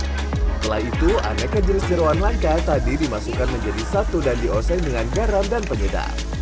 setelah itu aneka jenis jerawan langka tadi dimasukkan menjadi satu dan dioseng dengan garam dan penyedap